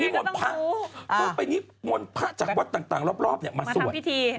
สี่ร้อยต้องไปนิดมนต์พระจากวัดต่างรอบเนี่ยมาสวด